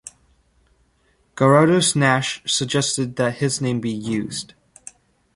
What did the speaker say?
Garaudus Nash suggested that his name be used.